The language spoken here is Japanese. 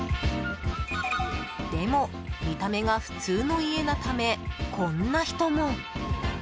でも、見た目が普通の家なためこんな人も。